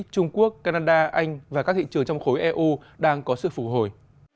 trung quốc canada anh và các thị trường trong khối eu đang có sự phục hồi